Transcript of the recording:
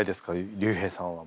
竜兵さんは。